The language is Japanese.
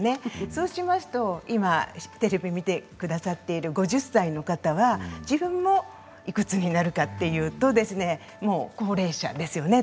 そうしますと、今テレビを見てくださっている５０歳の方は自分も、いくつになるかというと高齢者ですよね